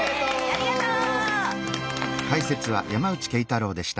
ありがとう！